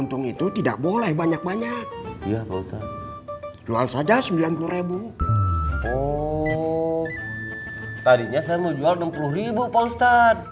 oh tadinya saya mau jual enam puluh ribu poster